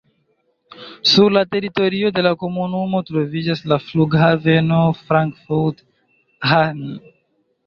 Sur la teritorio de la komunumo troviĝas la flughaveno Frankfurt-Hahn.